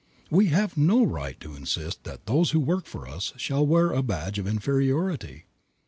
We have no right to insist that those who work for us shall wear a badge of inferiority.